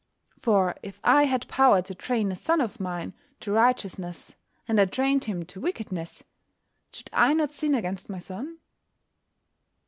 For if I had power to train a son of mine to righteousness, and I trained him to wickedness, should I not sin against my son?